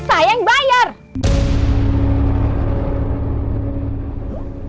masa yang mereka sujud dalam regi ini